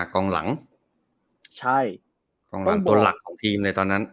กองหลังตัวหลักของทีมเลยตอนนั้น